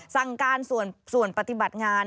สั่งการส่วนปฏิบัติงาน